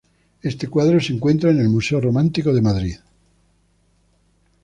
Este cuadro se encuentra en el Museo Romántico de Madrid.